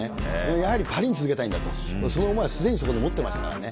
やはりパリにつなげたいんだと、その思いはすでにそこで持ってましたからね。